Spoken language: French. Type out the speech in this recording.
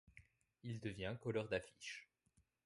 Il devient colleur d'affiches.